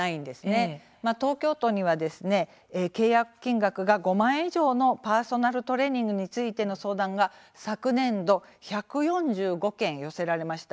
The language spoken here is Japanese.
こちら、東京都には契約金額が５万円以上のパーソナルトレーニングについての相談が昨年度、１４５件寄せられました。